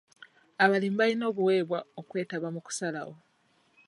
Abalimi bayina obuweebwa okwetaba mu kusalawo.